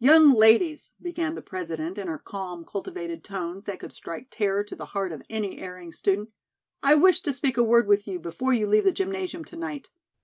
"Young ladies," began the President in her calm, cultivated tones that could strike terror to the heart of any erring student, "I wish to speak a word with you before you leave the gymnasium to night.